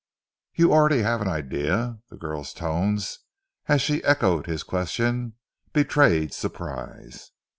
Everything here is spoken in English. "You already have an idea?" the girl's tones, as she echoed his question, betrayed surprise.